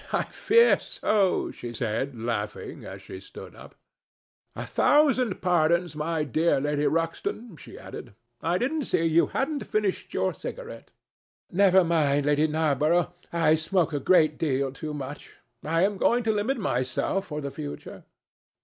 "I fear so," she said, laughing, as she stood up. "A thousand pardons, my dear Lady Ruxton," she added, "I didn't see you hadn't finished your cigarette." "Never mind, Lady Narborough. I smoke a great deal too much. I am going to limit myself, for the future."